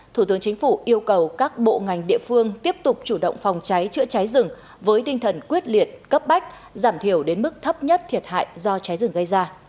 thủ tướng chính phủ yêu cầu các bộ ngành địa phương tiếp tục chủ động phòng cháy chữa cháy rừng với tinh thần quyết liệt cấp bách giảm thiểu đến mức thấp nhất thiệt hại do cháy rừng gây ra